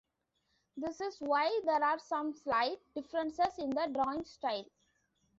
This is why there are some slight differences in the drawing style.